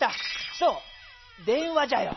そう電話じゃよ。